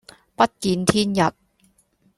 不見天日